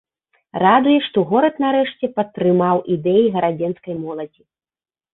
Радуе, што горад нарэшце падтрымаў ідэі гарадзенскай моладзі.